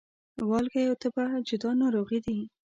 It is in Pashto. والګی او تبه جدا ناروغي دي